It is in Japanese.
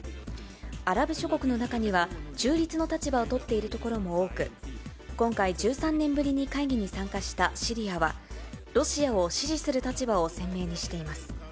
アラブ諸国の中には、中立の立場を取っている所も多く、今回、１３年ぶりに会議に参加したシリアは、ロシアを支持する立場を鮮明にしています。